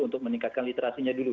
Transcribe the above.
untuk meningkatkan literasinya dulu